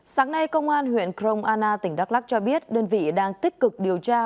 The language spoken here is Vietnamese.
sáng nay công an huyện krong anna tỉnh đắk lắc cho biết đơn vị đang tích cực điều tra